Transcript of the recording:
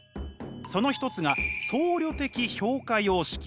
その一つが僧侶的評価様式。